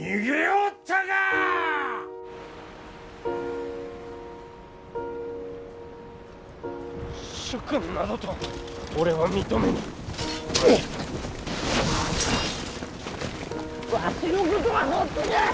わしのことは放っとけ！